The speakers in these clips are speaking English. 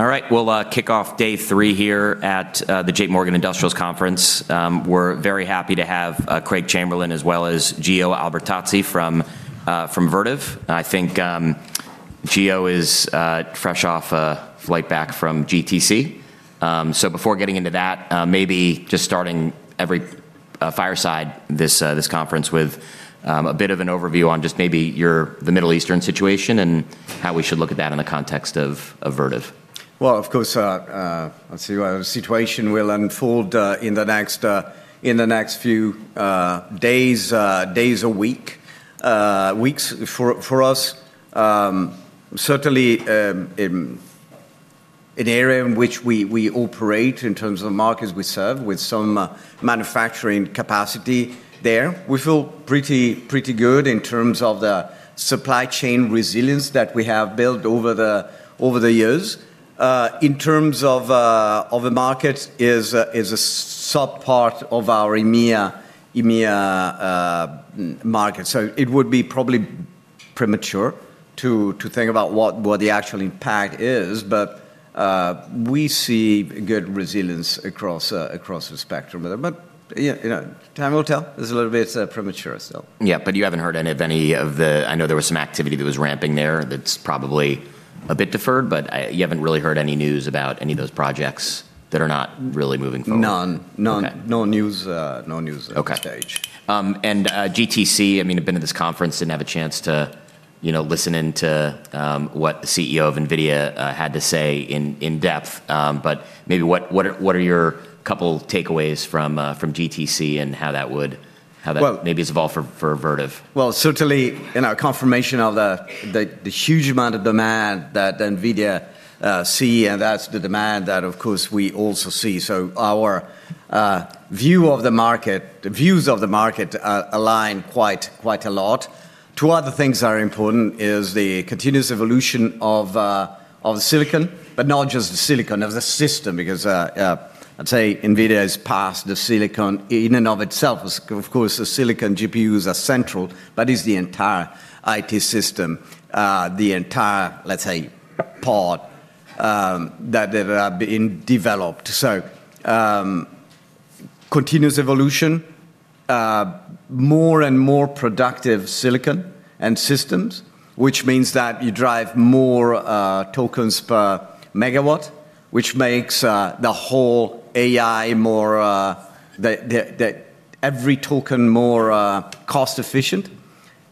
All right. We'll kick off day three here at the JPMorgan Industrials Conference. We're very happy to have Craig Chamberlin as well as Gio Albertazzi from Vertiv. I think Gio is fresh off a flight back from GTC. Before getting into that, maybe just starting every fireside this conference with a bit of an overview on just maybe the Middle Eastern situation and how we should look at that in the context of Vertiv. Well, of course, let's see, the situation will unfold in the next few days, a week, weeks for us. Certainly an area in which we operate in terms of the markets we serve with some manufacturing capacity there. We feel pretty good in terms of the supply chain resilience that we have built over the years. In terms of the market, it's a subpart of our EMEA market. It would be probably premature to think about what the actual impact is, but we see good resilience across the spectrum. Yeah, you know, time will tell. There's a little bit. It's premature still. You haven't heard any of the. I know there was some activity that was ramping there that's probably a bit deferred, but you haven't really heard any news about any of those projects that are not really moving forward? None. Okay. No, no news at this stage. Okay. GTC, I mean, I've been to this conference, didn't have a chance to, you know, listen in to what the CEO of NVIDIA had to say in depth. But maybe what are your couple takeaways from GTC and how that would- Well- How that maybe has evolved for Vertiv? Well, certainly in our confirmation of the huge amount of demand that NVIDIA see, and that's the demand that of course we also see. Our view of the market, the views of the market, align quite a lot. Two other things that are important is the continuous evolution of the silicon, but not just the silicon, of the system, because I'd say NVIDIA is past the silicon in and of itself. Of course, the silicon GPUs are central, but it's the entire IT system, the entire, let's say, part that they've been developed. Continuous evolution, more and more productive silicon and systems, which means that you drive more tokens per megawatt, which makes the whole AI more, the every token more cost efficient.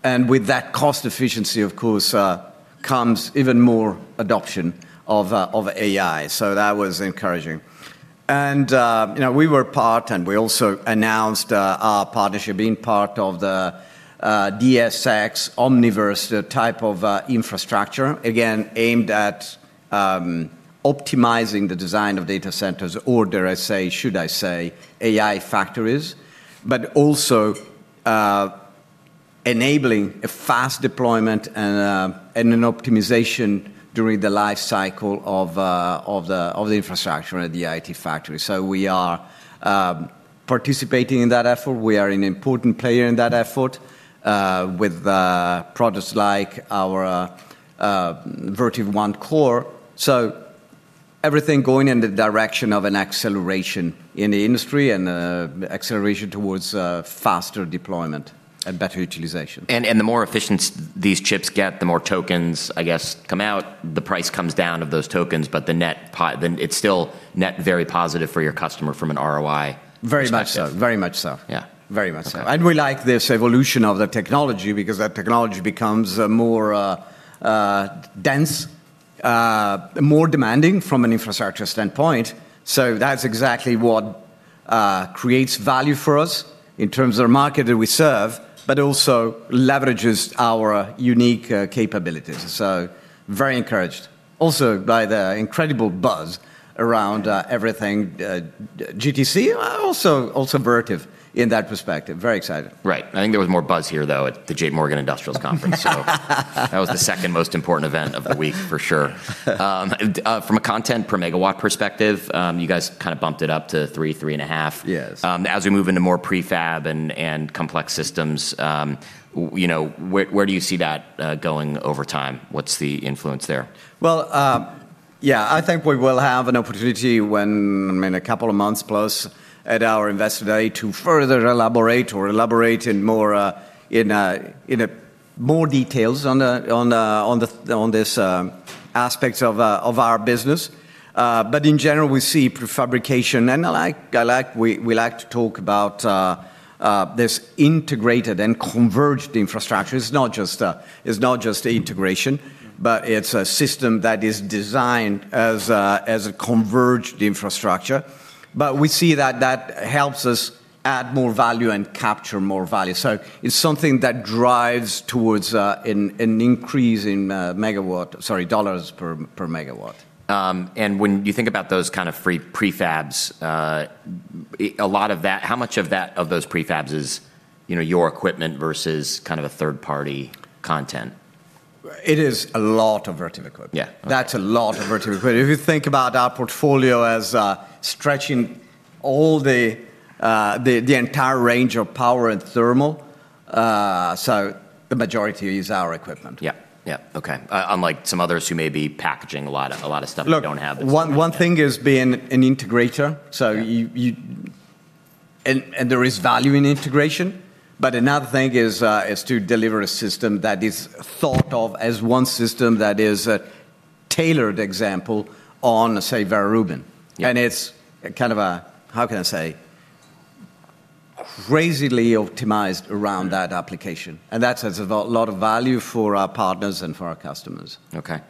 With that cost efficiency, of course, comes even more adoption of AI. That was encouraging. You know, we were part and we also announced our partnership being part of the DSX Omniverse type of infrastructure, again aimed at optimizing the design of data centers or dare I say AI factories, but also enabling a fast deployment and an optimization during the life cycle of the infrastructure at the AI factory. We are participating in that effort. We are an important player in that effort with products like our Vertiv OneCore. Everything going in the direction of an acceleration in the industry and acceleration towards faster deployment and better utilization. The more efficient these chips get, the more tokens, I guess, come out, the price comes down of those tokens, but it's still net very positive for your customer from an ROI perspective. Very much so. Yeah. Very much so. We like this evolution of the technology because that technology becomes more dense, more demanding from an infrastructure standpoint. That's exactly what creates value for us in terms of the market that we serve, but also leverages our unique capabilities. Very encouraged also by the incredible buzz around everything GTC also Vertiv in that perspective. Very excited. Right. I think there was more buzz here, though, at the JPMorgan Industrials Conference. That was the second most important event of the week for sure. From a tokens per megawatt perspective, you guys kinda bumped it up to 3.5. Yes. As we move into more prefab and complex systems, you know, where do you see that going over time? What's the influence there? Well, yeah, I think we will have an opportunity when in a couple of months plus at our Investor Day to further elaborate in more, in a more details on this aspects of our business. In general, we see prefabrication and we like to talk about this integrated and converged infrastructure. It's not just integration, but it's a system that is designed as a converged infrastructure. We see that that helps us add more value and capture more value. It's something that drives towards an increase in megawatt, sorry, dollars per megawatt. when you think about those kind of free prefabs, a lot of that, how much of that, of those prefabs is, you know, your equipment versus kind of a third party content? It is a lot of Vertiv equipment. Yeah. Okay. That's a lot of Vertiv equipment. If you think about our portfolio as stretching all the entire range of power and thermal, so the majority use our equipment. Yeah. Yeah. Okay. Unlike some others who may be packaging a lot of stuff they don't have- Look, one thing is being an integrator. Yeah. There is value in integration, but another thing is to deliver a system that is thought of as one system that is a tailored example on, say, Vera Rubin. Yeah. It's kind of a, how can I say, crazily optimized around that application, and that has a lot of value for our partners and for our customers. Okay.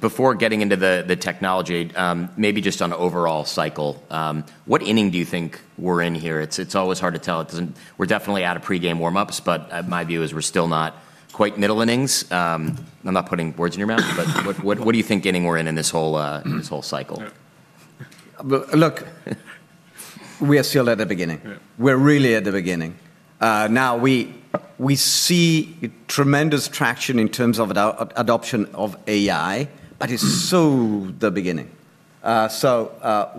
Before getting into the technology, maybe just on overall cycle, what inning do you think we're in here? It's always hard to tell. We're definitely out of pre-game warm-ups, but my view is we're still not quite middle innings. I'm not putting words in your mouth, but what do you think inning we're in in this whole cycle? Look, we are still at the beginning. Yeah. We're really at the beginning. Now we see tremendous traction in terms of adoption of AI, but it's so the beginning.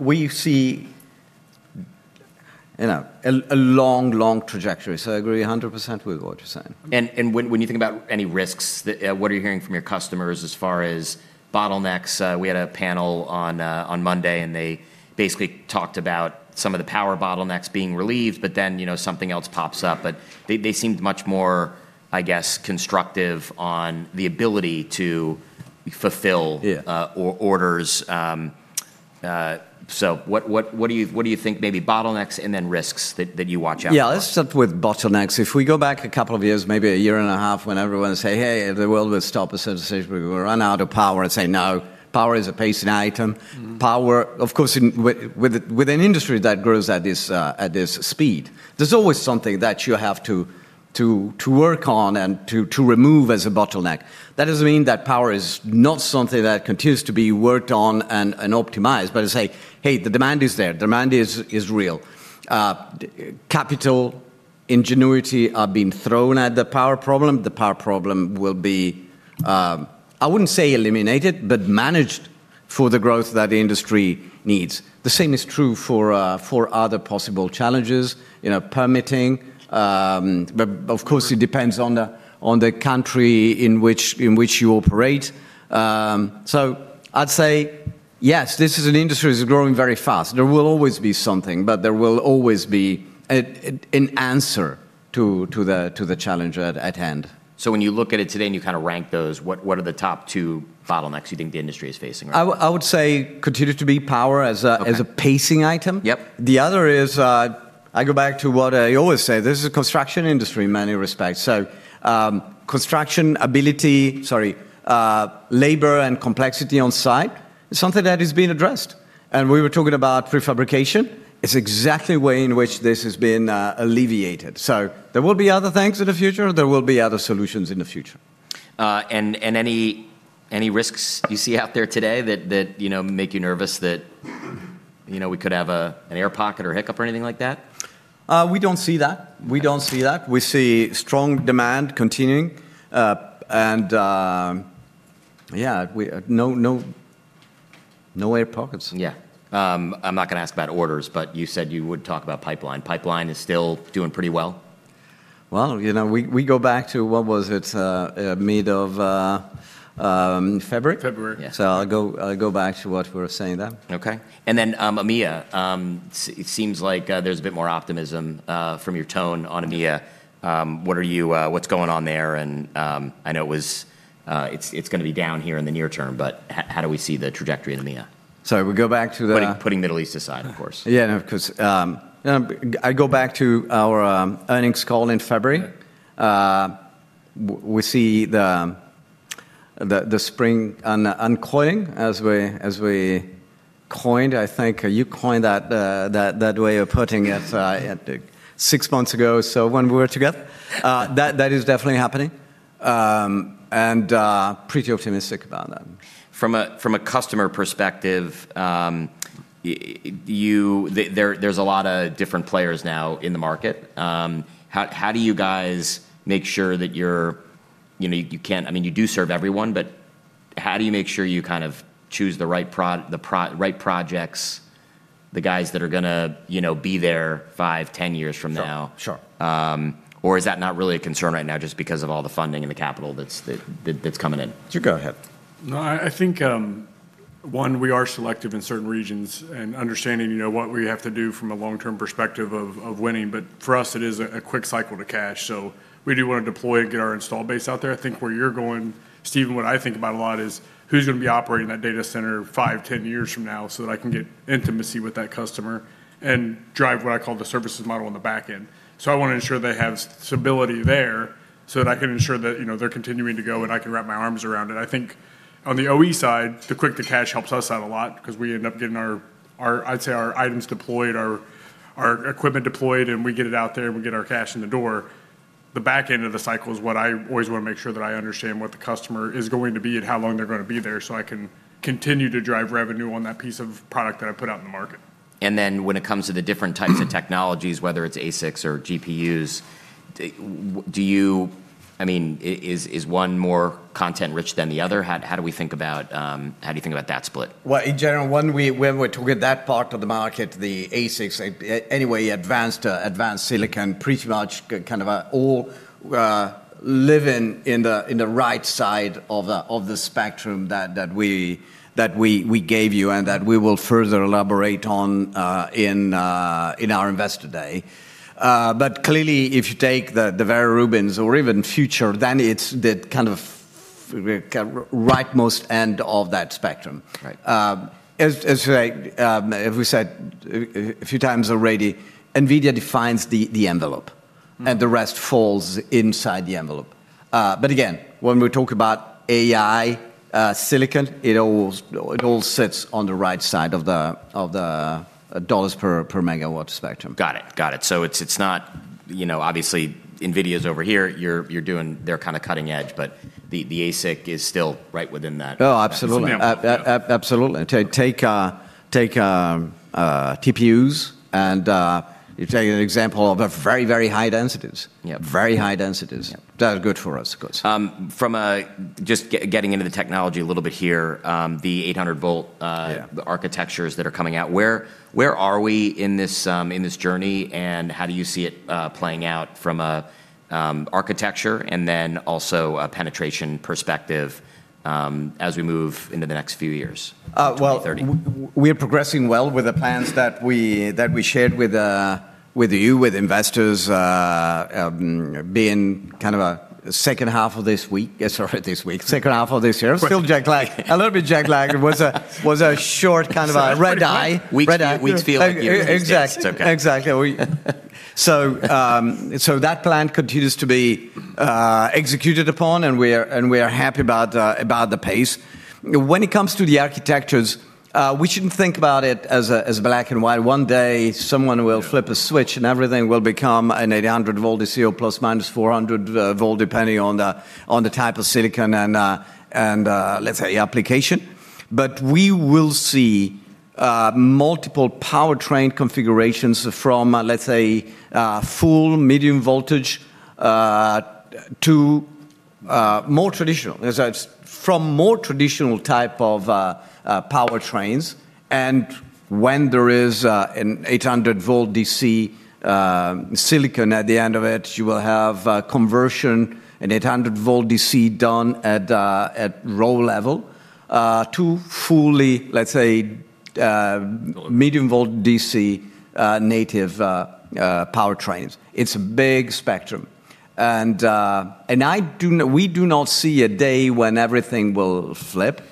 We see, you know, a long trajectory. I agree 100% with what you're saying. When you think about any risks that, what are you hearing from your customers as far as bottlenecks? We had a panel on Monday, and they basically talked about some of the power bottlenecks being relieved, but then, you know, something else pops up. They seemed much more, I guess, constructive on the ability to fulfill- Yeah orders. What do you think may be bottlenecks and then risks that you watch out for? Yeah, let's start with bottlenecks. If we go back a couple of years, maybe a year and a half, when everyone said, "Hey, the world will stop as such because we will run out of power," and said, "No, power is a pacing item. Mm-hmm. Power. Of course, with an industry that grows at this speed, there's always something that you have to work on and to remove as a bottleneck. That doesn't mean that power is not something that continues to be worked on and optimized, but to say, "Hey, the demand is there. Demand is real." Capital and ingenuity are being thrown at the power problem. The power problem will be. I wouldn't say eliminated, but managed for the growth that the industry needs. The same is true for other possible challenges, you know, permitting, but of course it depends on the country in which you operate. I'd say yes, this is an industry that's growing very fast. There will always be something, but there will always be an answer to the challenge at hand. When you look at it today and you kinda rank those, what are the top two bottlenecks you think the industry is facing right now? I would say continue to be power as a- Okay as a pacing item. Yep. The other is, I go back to what I always say, this is a construction industry in many respects, so labor and complexity on site is something that is being addressed, and we were talking about prefabrication. It's the exact way in which this has been alleviated. There will be other things in the future. There will be other solutions in the future. Any risks you see out there today that you know make you nervous that you know we could have an air pocket or hiccup or anything like that? We don't see that. We see strong demand continuing, and no air pockets. Yeah. I'm not gonna ask about orders, but you said you would talk about pipeline. Pipeline is still doing pretty well? Well, you know, we go back to what was it, middle of February? February. Yeah. I'll go back to what we were saying then. Okay. Then, EMEA, it seems like there's a bit more optimism from your tone on EMEA. What's going on there? I know it's gonna be down here in the near term, but how do we see the trajectory in EMEA? Sorry, we go back to the- Putting Middle East aside, of course. Yeah, no, 'cause I go back to our earnings call in February. Yeah. We see the spring uncoiling as we coined, I think you coined that way of putting it, at six months ago or so when we were together. That is definitely happening, and pretty optimistic about that. From a customer perspective, you there's a lot of different players now in the market. How do you guys make sure that you're, you know, I mean, you do serve everyone, but how do you make sure you kind of choose the right projects, the guys that are gonna, you know, be there five, 10 years from now? Sure, sure. Is that not really a concern right now just because of all the funding and the capital that's coming in? You go ahead. No, I think we are selective in certain regions and understanding, you know, what we have to do from a long-term perspective of winning, but for us it is a quick cycle to cash. We do wanna deploy, get our installed base out there. I think where you're going, Steve, what I think about a lot is who's gonna be operating that data center 5, 10 years from now so that I can get intimacy with that customer and drive what I call the services model on the back end. I wanna ensure they have stability there, so that I can ensure that, you know, they're continuing to go and I can wrap my arms around it. I think on the OE side, the quick to cash helps us out a lot 'cause we end up getting our items deployed, our equipment deployed, and we get it out there and we get our cash in the door. The back end of the cycle is what I always wanna make sure that I understand what the customer is going to be and how long they're gonna be there, so I can continue to drive revenue on that piece of product that I put out in the market. When it comes to the different types of technologies, whether it's ASICs or GPUs, do you, I mean, is one more content rich than the other? How do you think about that split? Well, in general, when we're talking that part of the market, the ASICs, anyway, advanced silicon, pretty much kind of all live in the right side of the spectrum that we gave you and that we will further elaborate on in our Investor Day. Clearly, if you take the Vera Rubin or even future, then it's the kind of rightmost end of that spectrum. Right. As like we said a few times already, NVIDIA defines the envelope. Mm The rest falls inside the envelope. Again, when we talk about AI, silicon, it all sits on the right side of the dollars per megawatt spectrum. Got it. It's not, you know, obviously NVIDIA's over here. You're doing their kind of cutting edge, but the ASIC is still right within that. Oh, absolutely. That envelope, yeah. Absolutely. Take TPUs, and you take an example of a very, very high densities. Yeah. Very high densities. Yeah. They are good for us, of course. From just getting into the technology a little bit here, the 800 V. Yeah... the architectures that are coming out, where are we in this journey, and how do you see it playing out from a architecture and then also a penetration perspective as we move into the next few years? Uh, well- 2030 We're progressing well with the plans that we shared with you, with investors, being kind of a second half of this week. Yes, sorry, this week. Second half of this year. Still a little bit jet-lagged. It was a short kind of a red-eye. That's pretty funny. Weeks feel like years in this case. Exactly. It's okay. Exactly. That plan continues to be executed upon, and we are happy about the pace. When it comes to the architectures, we shouldn't think about it as black and white. One day someone will flip a switch. Yeah Everything will become an 800 VDC ±400 V, depending on the type of silicon and let's say application. We will see multiple powertrain configurations from let's say full medium voltage to more traditional type of powertrains. When there is an 800 VDC silicon at the end of it, you will have conversion, an 800 VDC done at row level to fully let's say medium voltage DC native powertrains. It's a big spectrum. We do not see a day when everything will flip.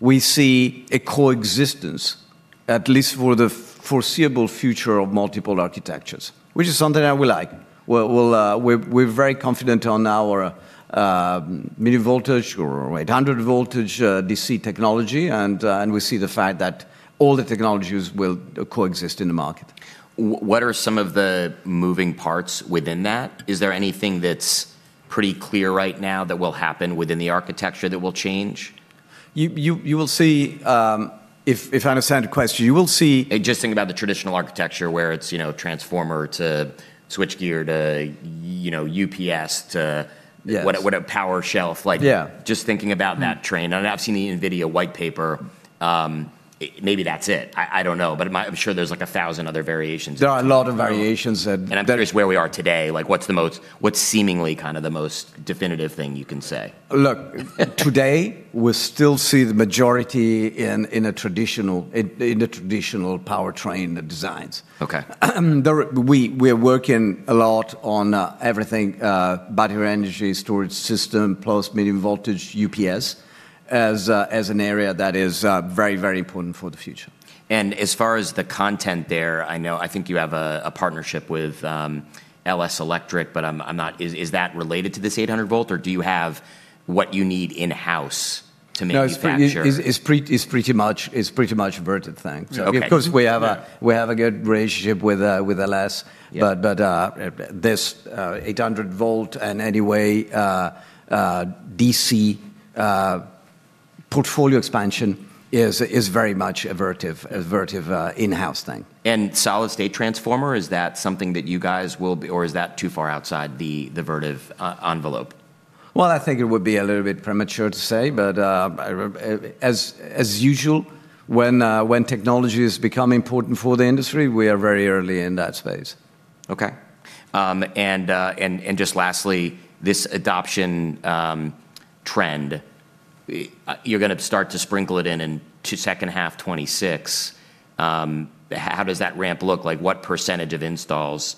We see a coexistence, at least for the foreseeable future of multiple architectures, which is something I would like. We're very confident on our medium voltage or 800 VDC technology, and we see the fact that all the technologies will coexist in the market. What are some of the moving parts within that? Is there anything that's pretty clear right now that will happen within the architecture that will change? You will see if I understand the question, you will see. Just thinking about the traditional architecture where it's, you know, transformer to switchgear to, you know, UPS to Yes what a power shelf like Yeah Just thinking about that train. I've seen the NVIDIA white paper, maybe that's it. I don't know. But I'm sure there's like a thousand other variations. There are a lot of variations that. I'm curious where we are today, like what's seemingly kind of the most definitive thing you can say? Look, today, we still see the majority in the traditional powertrain designs. Okay. We're working a lot on everything, battery energy storage system plus medium voltage UPS as an area that is very, very important for the future. As far as the content there, I know, I think you have a partnership with LS Electric, but is that related to this 800 V, or do you have what you need in-house to manufacture- No, it's pretty much Vertiv thing. Okay. Of course we have a Yeah... we have a good relationship with LS. Yeah. This 800 VDC portfolio expansion is very much a Vertiv in-house thing. Solid-state transformer, is that something that you guys will be or is that too far outside the Vertiv envelope? Well, I think it would be a little bit premature to say, but, as usual, when technology has become important for the industry, we are very early in that space. Just lastly, this adoption trend you're gonna start to sprinkle it in into second half 2026. How does that ramp look like? What percentage of installs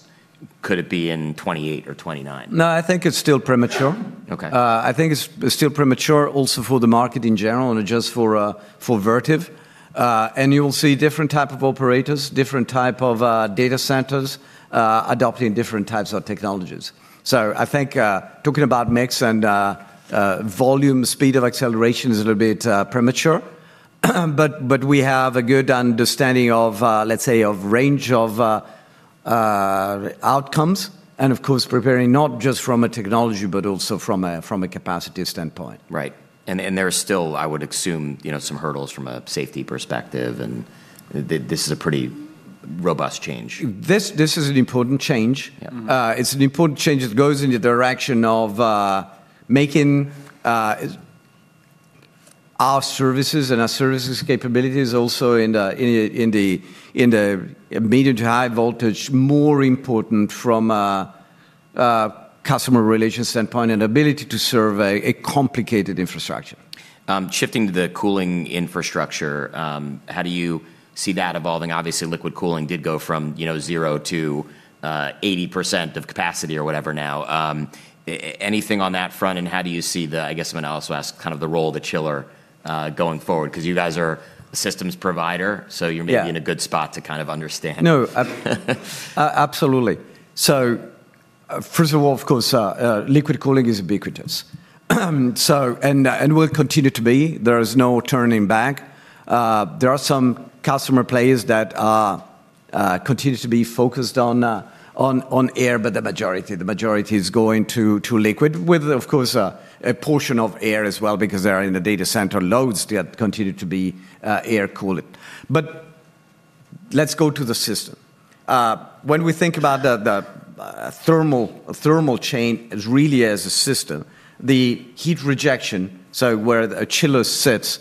could it be in 2028 or 2029? No, I think it's still premature. Okay. I think it's still premature also for the market in general and just for Vertiv. You'll see different type of operators, different type of data centers adopting different types of technologies. I think talking about mix and volume, speed of acceleration is a little bit premature. But we have a good understanding of, let's say, a range of outcomes and of course preparing not just from a technology, but also from a capacity standpoint. Right. There are still, I would assume, you know, some hurdles from a safety perspective, and this is a pretty robust change. This is an important change. Yeah. It's an important change that goes in the direction of making our services capabilities also in the medium to high voltage more important from a customer relation standpoint and ability to survey a complicated infrastructure. Shifting to the cooling infrastructure, how do you see that evolving? Obviously, liquid cooling did go from, you know, 0 to 80% of capacity or whatever now. Anything on that front, and how do you see the, I guess I'm gonna also ask, kind of the role of the chiller going forward? 'Cause you guys are a systems provider- Yeah You're maybe in a good spot to kind of understand. No, absolutely. First of all, of course, liquid cooling is ubiquitous. Will continue to be. There is no turning back. There are some customer players that continue to be focused on air, but the majority is going to liquid. With, of course, a portion of air as well because there are data center loads that continue to be air cooled. Let's go to the system. When we think about the thermal chain as really a system, the heat rejection, so where the chiller sits,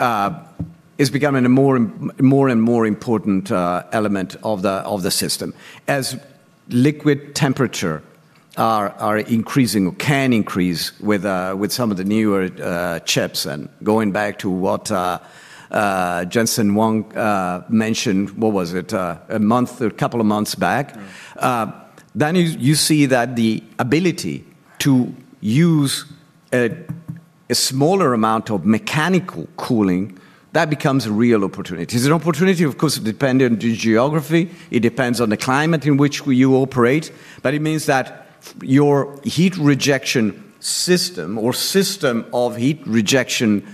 is becoming more and more important element of the system. As liquid temperature are increasing or can increase with some of the newer chips and going back to what Jensen Huang mentioned, what was it, a month or a couple of months back. Yeah You see that the ability to use a smaller amount of mechanical cooling, that becomes a real opportunity. It's an opportunity, of course, dependent on the geography. It depends on the climate in which you operate, but it means that your heat rejection system or system of heat rejection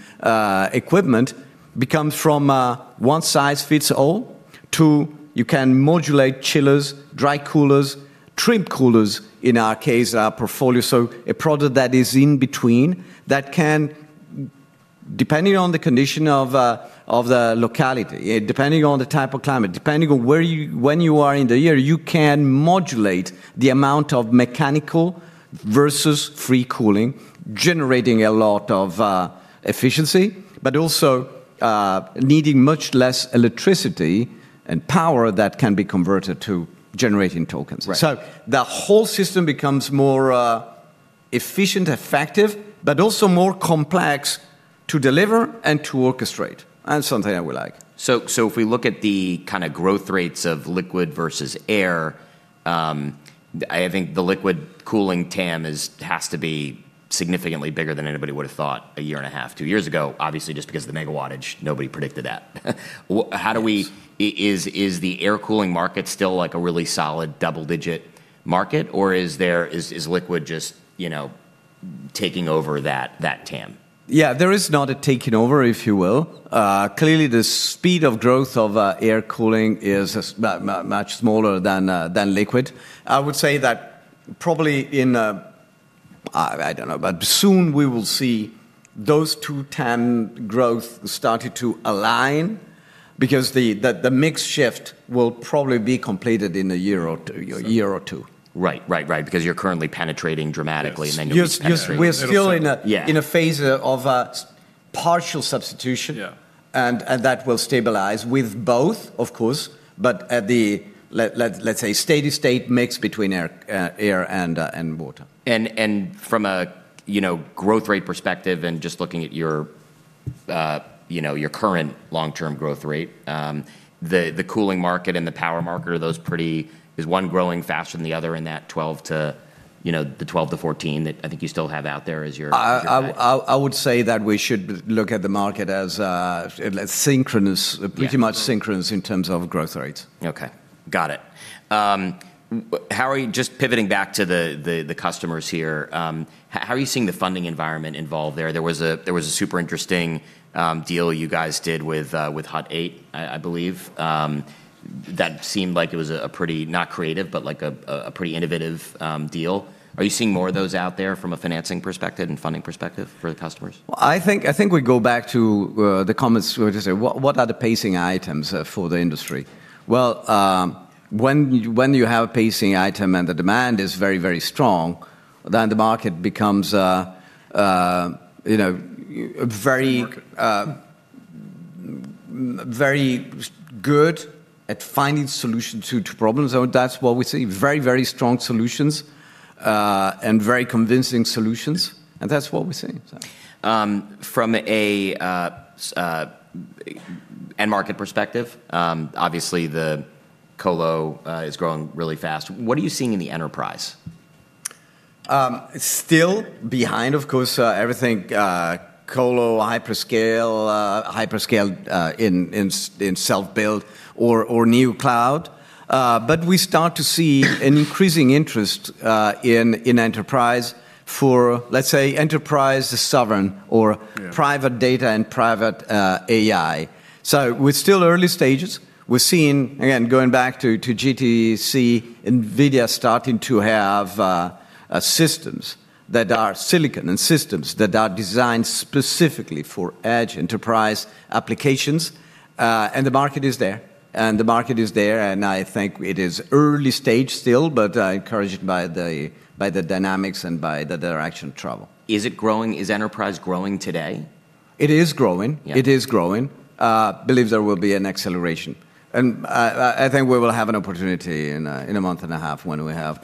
equipment becomes from a one size fits all to you can modulate chillers, dry coolers, trim coolers, in our case, our portfolio. A product that is in between that can, depending on the condition of the locality, depending on the type of climate, depending on where you, when you are in the year, you can modulate the amount of mechanical versus free cooling, generating a lot of efficiency, but also needing much less electricity and power that can be converted to generating tokens. Right. The whole system becomes more efficient, effective, but also more complex to deliver and to orchestrate, and something I would like. If we look at the kinda growth rates of liquid versus air, I think the liquid cooling TAM has to be significantly bigger than anybody would have thought a year and a half, two years ago, obviously, just because of the megawattage, nobody predicted that. How do we Yes... is the air cooling market still like a really solid double-digit market, or is there liquid just, you know, taking over that TAM? Yeah. There is not a taking over, if you will. Clearly the speed of growth of air cooling is much smaller than liquid. I would say that probably I don't know, but soon we will see those two TAM growth started to align because the mix shift will probably be completed in a year or two. Right. Because you're currently penetrating dramatically- Yes You'll be penetrating. Yes. We're still in a Yeah In a phase of partial substitution. Yeah. That will stabilize with both, of course, but let's say steady state mix between air and water. From a you know growth rate perspective and just looking at your you know your current long-term growth rate, the cooling market and the power market, is one growing faster than the other in that 12-14 that I think you still have out there as your guide? I would say that we should look at the market as synchronous. Yeah Pretty much synchronous in terms of growth rates. Okay. Got it. Just pivoting back to the customers here, how are you seeing the funding environment evolving there? There was a super interesting deal you guys did with Hut 8, I believe. That seemed like it was a pretty not creative, but like a pretty innovative deal. Are you seeing more of those out there from a financing perspective and funding perspective for the customers? I think we go back to the comments where they say what are the pacing items for the industry? Well, when you have a pacing item and the demand is very strong, then the market becomes, you know, very. The market. Very good at finding solutions to problems. That's what we see. Very, very strong solutions, and very convincing solutions, and that's what we're seeing, so. From a end market perspective, obviously, the colo is growing really fast. What are you seeing in the enterprise? Still behind, of course, everything, colo, hyperscale, in self-build or new cloud. We start to see an increasing interest in enterprise for, let's say, enterprise sovereign or. Yeah Private data and private AI. We're still early stages. We're seeing, again, going back to GTC, NVIDIA starting to have systems that are silicon and systems that are designed specifically for edge enterprise applications. And the market is there, and I think it is early stage still, but encouraged by the dynamics and by the direction travel. Is it growing? Is enterprise growing today? It is growing. Yeah. It is growing. Believe there will be an acceleration. I think we will have an opportunity in a month and a half when we have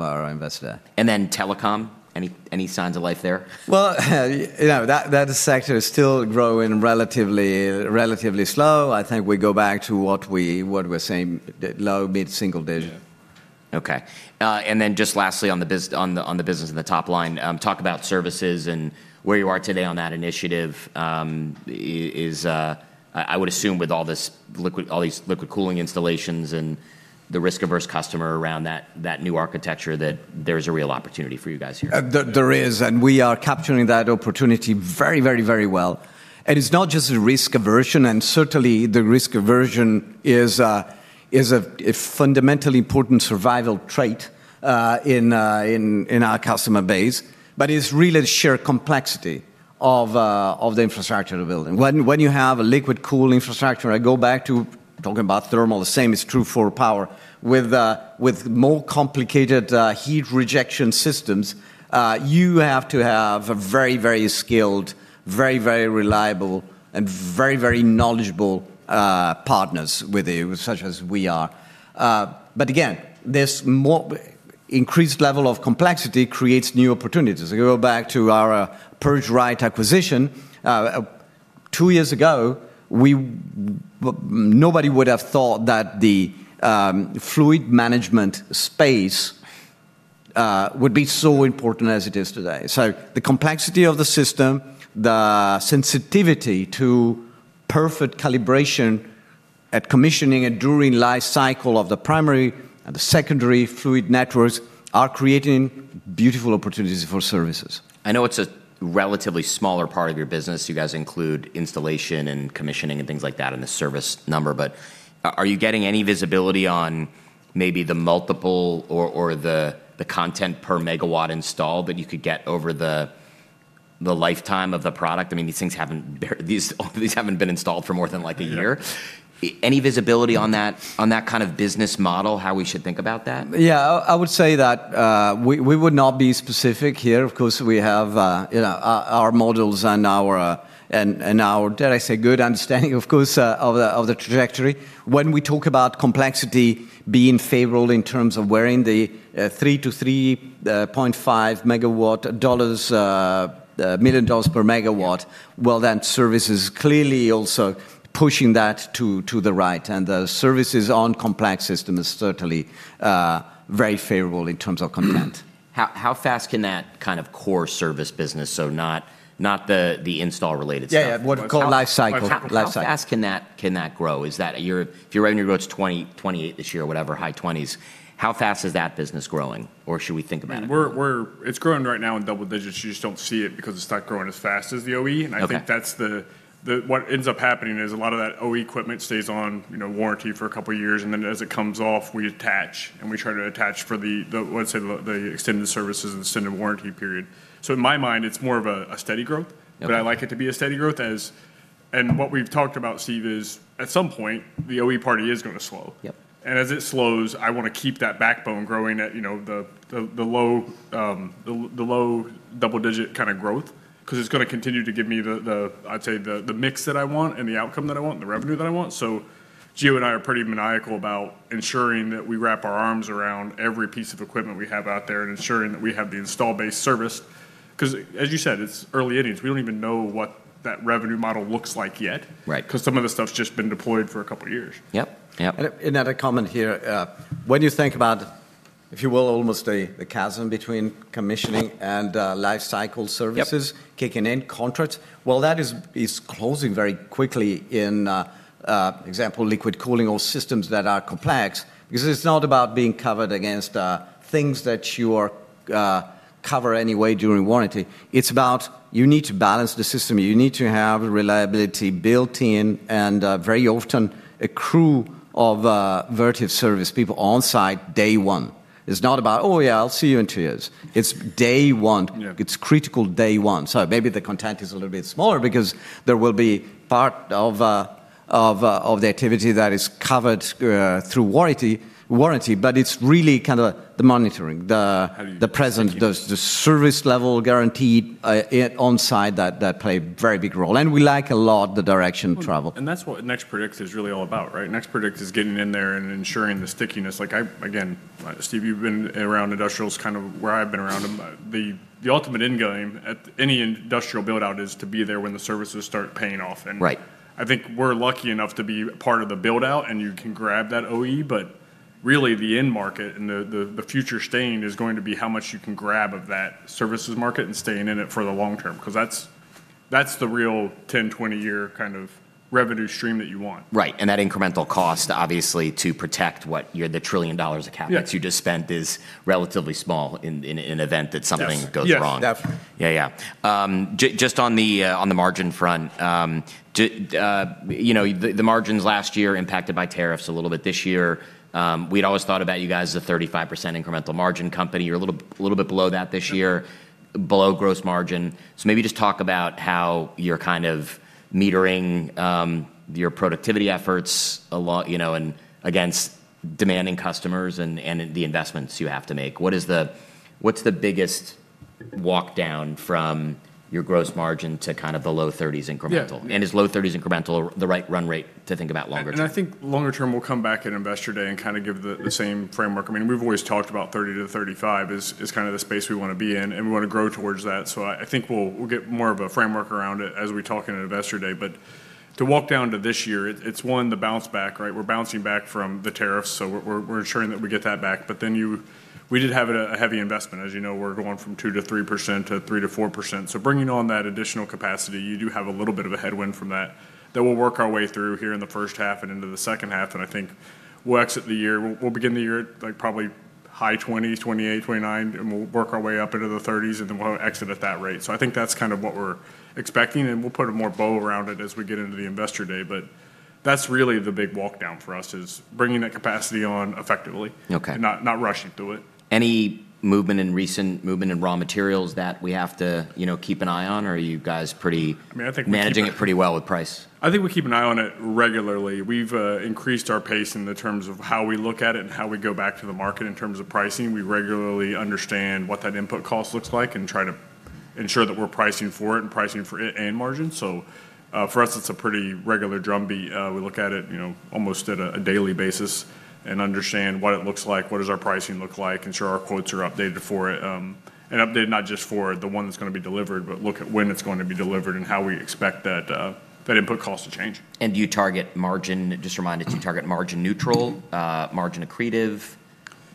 our Investor Day. Telecom, any signs of life there? Well, you know, that sector is still growing relatively slow. I think we go back to what we're saying, low- to mid-single-digit%. Yeah. Okay. Just lastly on the business and the top line, talk about services and where you are today on that initiative. I would assume with all these liquid cooling installations and the risk-averse customer around that new architecture that there's a real opportunity for you guys here. There is, and we are capturing that opportunity very well. It's not just a risk aversion, and certainly the risk aversion is a fundamentally important survival trait in our customer base. It's really the sheer complexity of the infrastructure to build. When you have a liquid cooling infrastructure, I go back to talking about thermal, the same is true for power. With more complicated heat rejection systems, you have to have a very skilled, very reliable, and very knowledgeable partners with you, such as we are. Again, this more increased level of complexity creates new opportunities. If you go back to our PurgeRite acquisition, two years ago, nobody would have thought that the fluid management space would be so important as it is today. The complexity of the system, the sensitivity to perfect calibration at commissioning and during life cycle of the primary and the secondary fluid networks are creating beautiful opportunities for services. I know it's a relatively smaller part of your business. You guys include installation and commissioning and things like that in the service number. Are you getting any visibility on maybe the multiple or the content per megawatt installed that you could get over the lifetime of the product? I mean, these haven't been installed for more than, like, a year. Yeah. Any visibility on that, on that kind of business model, how we should think about that? Yeah. I would say that we would not be specific here. Of course, we have you know our models and our dare I say good understanding of course of the trajectory. When we talk about complexity being favorable in terms of $3-$3.5 million per megawatt, well, then service is clearly also pushing that to the right. The services on complex system is certainly very favorable in terms of content. How fast can that kind of core service business, so not the install related stuff? Yeah, yeah. What we call life cycle. life cycle. How fast can that grow? Is that, if you're right, and you grow to 20 this year, whatever, high 20s, how fast is that business growing? Or should we think about it growing? It's growing right now in double digits. You just don't see it because it's not growing as fast as the OE. Okay. I think that's what ends up happening is a lot of that OE equipment stays on, you know, warranty for a couple of years, and then as it comes off, we attach, and we try to attach for the, let's say, the extended services and extended warranty period. In my mind, it's more of a steady growth. Okay. I'd like it to be a steady growth. What we've talked about, Steve, is at some point, the OE party is gonna slow. Yep. As it slows, I wanna keep that backbone growing at the low double digit kinda growth, 'cause it's gonna continue to give me the I'd say the mix that I want and the outcome that I want and the revenue that I want. Gio and I are pretty maniacal about ensuring that we wrap our arms around every piece of equipment we have out there and ensuring that we have the installed base service. 'Cause as you said, it's early innings. We don't even know what that revenue model looks like yet. Right. 'Cause some of the stuff's just been deployed for a couple of years. Yep, yep. Another comment here. When you think about, if you will, almost the chasm between commissioning and life cycle services. Yep Kicking in contracts, well, that is closing very quickly, for example, liquid cooling or systems that are complex. Because it's not about being covered against things that you are covered anyway during warranty. It's about you need to balance the system. You need to have reliability built in, and very often a crew of Vertiv service people on site day one. It's not about, "Oh, yeah, I'll see you in two years." It's day one. Yeah. It's critical day one. Maybe the content is a little bit smaller because there will be part of the activity that is covered through warranty, but it's really kinda the monitoring, the How you- The present, the service level guaranteed on-site that play a very big role. We like a lot the direction travel. That's what Next Predict is really all about, right? Next Predict is getting in there and ensuring the stickiness. Like I, again, Steve, you've been around industrials kind of where I've been around them. The ultimate end game at any industrial build-out is to be there when the services start paying off. Right I think we're lucky enough to be part of the build-out, and you can grab that OE. But really, the end market and the future staying is going to be how much you can grab of that services market and staying in it for the long term, 'cause that's the real 10-20-year kind of revenue stream that you want. Right. That incremental cost, obviously, to protect the $1 trillion of capital- Yeah you just spent is relatively small in event that something Yes goes wrong. Yes. Definitely. Yeah, yeah. Just on the margin front. You know, the margins last year impacted by tariffs a little bit. This year, we'd always thought about you guys as a 35% incremental margin company. You're a little bit below that this year. Sure below gross margin. Maybe just talk about how you're kind of measuring your productivity efforts a lot, you know, and against demanding customers and the investments you have to make. What's the biggest walk down from your gross margin to kind of the low thirties incremental? Yeah. Is low 30s incremental the right run rate to think about longer term? I think longer term we'll come back at Investor Day and kind of give the same framework. I mean, we've always talked about 30%-35% as kind of the space we wanna be in, and we wanna grow towards that. I think we'll get more of a framework around it as we talk in an Investor Day. To walk down to this year, it's one, the bounce back, right? We're bouncing back from the tariffs, so we're ensuring that we get that back. We did have a heavy investment. As you know, we're going from 2%-3% to 3%-4%. Bringing on that additional capacity, you do have a little bit of a headwind from that we'll work our way through here in the first half and into the second half, and I think we'll exit the year. We'll begin the year like probably high 20s%, 28%, 29%, and we'll work our way up into the 30s%, and then we'll exit at that rate. I think that's kind of what we're expecting, and we'll put a more bow around it as we get into the Investor Day. That's really the big walk down for us, is bringing that capacity on effectively. Okay not rushing through it. Any movement in raw materials that we have to, you know, keep an eye on, or are you guys pretty- I mean, I think we keep an eye. managing it pretty well with price? I think we keep an eye on it regularly. We've increased our pace in terms of how we look at it and how we go back to the market in terms of pricing. We regularly understand what that input cost looks like and try to ensure that we're pricing for it and margin. For us it's a pretty regular drumbeat. We look at it, you know, almost on a daily basis and understand what it looks like, what our pricing looks like, ensure our quotes are updated for it, not just for the one that's gonna be delivered, but look at when it's going to be delivered and how we expect that input cost to change. Do you target margin? Just remind us, do you target margin neutral, margin accretive,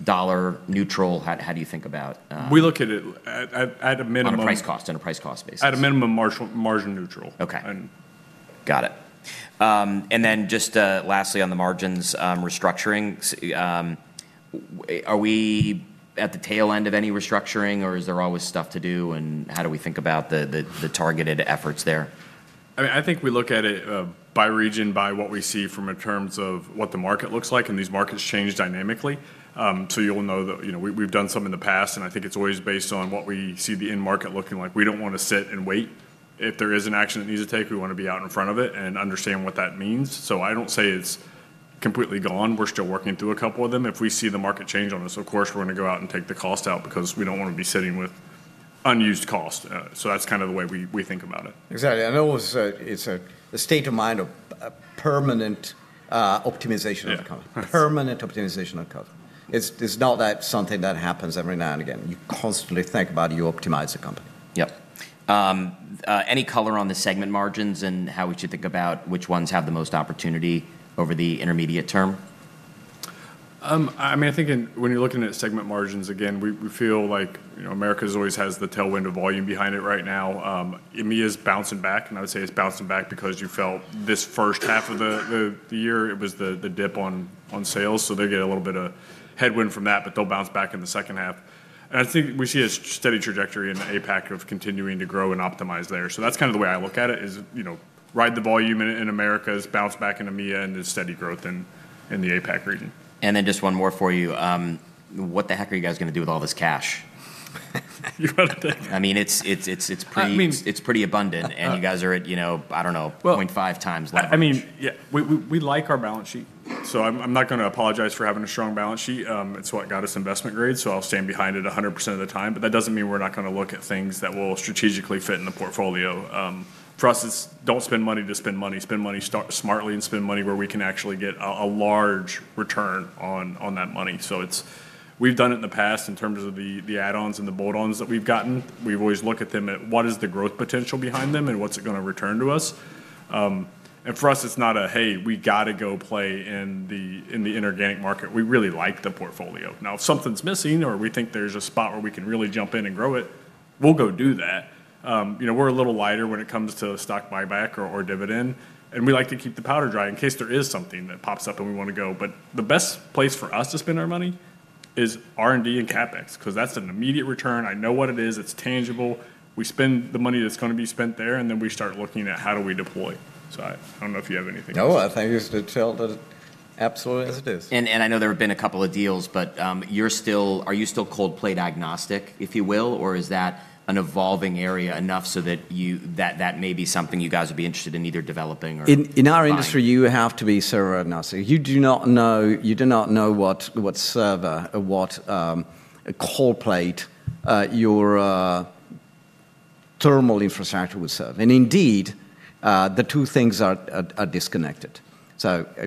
dollar neutral? How do you think about, We look at it at a minimum. On a price/cost basis. At a minimum, margin neutral. Okay. And- Got it. Just lastly on the margins, restructuring. Are we at the tail end of any restructuring or is there always stuff to do, and how do we think about the targeted efforts there? I mean, I think we look at it by region, by what we see from in terms of what the market looks like, and these markets change dynamically. You'll know that, you know, we've done some in the past, and I think it's always based on what we see the end market looking like. We don't wanna sit and wait. If there is an action that needs to take, we wanna be out in front of it and understand what that means. I don't say it's completely gone. We're still working through a couple of them. If we see the market change on this, of course, we're gonna go out and take the cost out because we don't wanna be sitting with unused cost. That's kind of the way we think about it. Exactly, it's a state of mind of a permanent optimization of the company. Yeah. Permanent optimization of company. It's not something that happens every now and again. You constantly think about you optimize the company. Yep. Any color on the segment margins and how we should think about which ones have the most opportunity over the intermediate term? I mean, I think in when you're looking at segment margins, again, we feel like, you know, Americas always has the tailwind of volume behind it right now. EMEA's bouncing back, and I would say it's bouncing back because you felt this first half of the year was the dip on sales. They get a little bit of headwind from that, but they'll bounce back in the second half. I think we see a steady trajectory in the APAC of continuing to grow and optimize there. That's kind of the way I look at it, is, you know, ride the volume in Americas, and bounce back into EMEA, and there's steady growth in the APAC region. Just one more for you. What the heck are you guys gonna do with all this cash? You wanna take it? I mean, it's pretty. I mean. It's pretty abundant. You guys are at, you know, I don't know. Well- 0.5 times leverage. I mean, yeah, we like our balance sheet. I'm not gonna apologize for having a strong balance sheet. It's what got us investment grade, so I'll stand behind it 100% of the time, but that doesn't mean we're not gonna look at things that will strategically fit in the portfolio. For us it's don't spend money to spend money. Spend money smartly and spend money where we can actually get a large return on that money. We've done it in the past in terms of the add-ons and the bolt-ons that we've gotten. We've always looked at them at what is the growth potential behind them and what's it gonna return to us. For us, it's not a, "Hey, we gotta go play in the inorganic market." We really like the portfolio. Now, if something's missing or we think there's a spot where we can really jump in and grow it, we'll go do that. You know, we're a little lighter when it comes to stock buyback or dividend, and we like to keep the powder dry in case there is something that pops up and we wanna go. But the best place for us to spend our money is R&D and CapEx, 'cause that's an immediate return. I know what it is. It's tangible. We spend the money that's gonna be spent there, and then we start looking at how do we deploy. I don't know if you have anything else. No. I think it's absolutely as it is. I know there have been a couple of deals, but are you still cold plate agnostic, if you will, or is that an evolving area enough so that you, that may be something you guys would be interested in either developing or In our industry. acquiring? You have to be server agnostic. You do not know what server or what cold plate your thermal infrastructure would serve. Indeed, the two things are disconnected.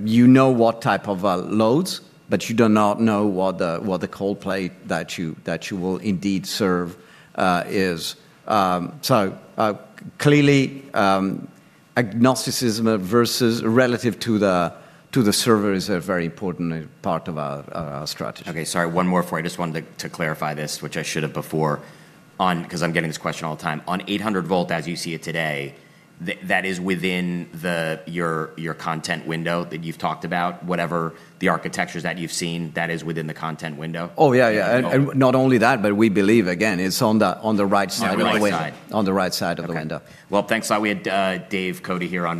You know what type of loads, but you do not know what the cold plate that you will indeed serve is. Clearly, agnosticism versus relative to the server is a very important part of our strategy. Okay. Sorry, one more for you. I just wanted to clarify this, which I should have before on. 'Cause I'm getting this question all the time. On 800 V as you see it today, that is within your current window that you've talked about? Whatever the architectures that you've seen, that is within the current window? Oh, yeah. Okay. Not only that, but we believe, again, it's on the right side of the window. On the right side. On the right side of the window. Okay. Well, thanks a lot. We had Dave Cote here on-